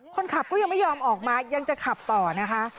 คนขับก็ยังไม่ยอมออกมายังจะขับต่อนะคะ